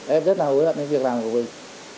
em rất là hối hận cái việc làm của mình